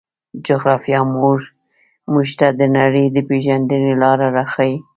جغرافیه موږ ته د نړۍ د پېژندنې لاره راښيي.